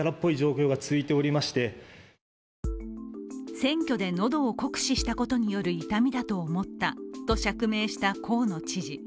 選挙で喉を酷使したことによる痛みだと思ったと釈明した河野知事。